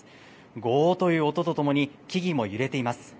ごーっという音とともに、木々も揺れています。